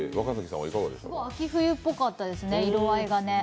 秋冬っぽかったですね、色合いが。